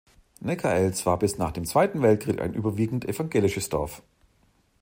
Neckarelz war bis nach dem Zweiten Weltkrieg ein überwiegend evangelisches Dorf.